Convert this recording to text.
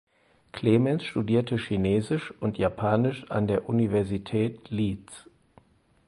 Clements studierte Chinesisch und Japanisch an der Universität Leeds.